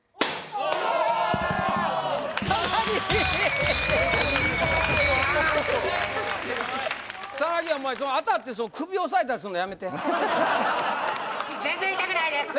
お前当たって首おさえたりすんのやめて全然痛くないですそ